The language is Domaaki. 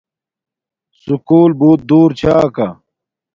سکُول بوت دور چھا کا